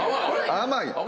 甘い？